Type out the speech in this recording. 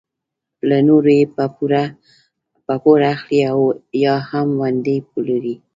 له نورو یې په پور اخلي او یا هم ونډې پلوري.